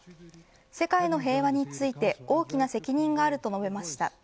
世界の平和について大きな責任があると述べました。